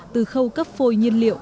từ khâu cấp phôi nhiên liệu